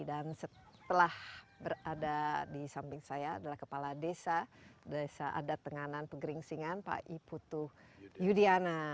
dan setelah berada di samping saya adalah kepala desa desa adat tenganan pegeringsingan pak i putuh yudhiana